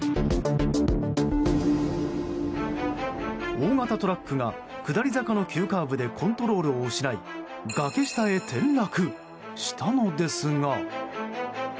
大型トラックが下り坂の急カーブでコントロールを失い崖下へ転落したのですが。